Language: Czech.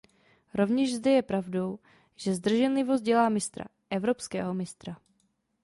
Rovněž zde je pravdou, že zdrženlivost dělá mistra, evropského mistra.